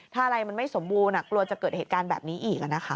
ถ้าอะไรมันไม่สมบูรณ์กลัวจะเกิดเหตุการณ์แบบนี้อีก